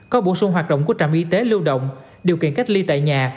có bổ sung hoạt động của trạm y tế lưu động điều kiện cách ly tại nhà